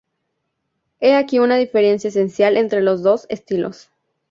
He aquí una diferencia esencial entre los dos estilos.